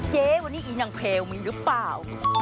เจ๊วันนี้นางแพวมีนรึเปล่า